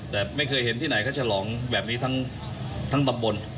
แต่ไม่เคยเห็นที่ไหนเขาฉลองแบบนี้ทั้งตำบล